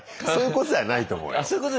あそういうことじゃないですか。